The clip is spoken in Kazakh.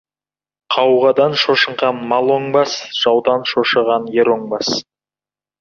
Қауғадан шошынған мал оңбас, жаудан шошыған ер оңбас.